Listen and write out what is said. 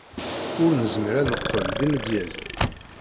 Ur nezmir ad neqqel d imedyazen.